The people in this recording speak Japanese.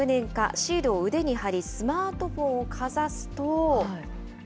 シールを腕に貼り、スマートフォンをかざすと。